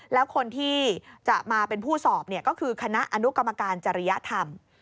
แล้วคนที่จะมาเป็นผู้สอบก็คือคณะอนุกรรมการจริยธรรม